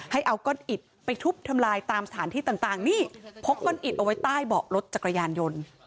ให้เอาก้อนอิดไปทุบทำลายตามสถานที่ต่างนี่พกก้อนอิดเอาไว้ใต้เบาะรถจักรยานยนต์